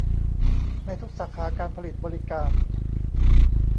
ในทุกสาขาการผลิตบริการ